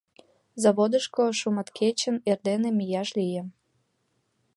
Заводышко шуматкечын эрдене мияш лие.